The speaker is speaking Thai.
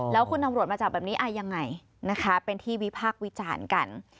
แล้วคุณตำรวจมาจับแบบนี้ยังไงนะคะเป็นที่วิพากษ์วิจารณ์กัน